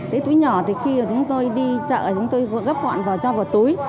cái túi nhỏ thì khi chúng tôi đi chợ chúng tôi gấp gọn và cho vào túi